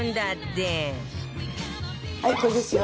はいこれですよ！